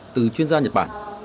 từ chuyên gia nhật bản